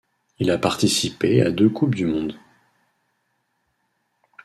Il a participé à deux coupes du monde.